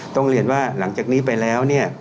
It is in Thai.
ต้องเรียนว่าหลังจากนี้ไปแล้วเนี่ย